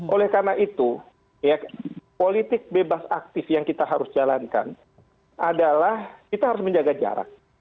oleh karena itu politik bebas aktif yang kita harus jalankan adalah kita harus menjaga jarak